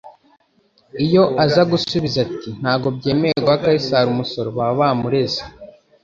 Iyo aza gusubiza ati: Ntabwo byemewe guha Kaisari umusoro baba baramureze